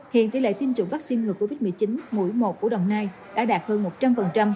hiện tỷ lệ tiêm chủng vaccine ngừa covid một mươi chín mũi một của đồng nai đã đạt hơn một trăm linh